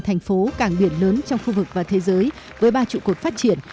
thành phố càng biển lớn trong khu vực và thế giới với ba trụ cuộc phát triển